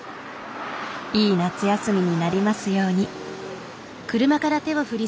いい夏休みになりますように。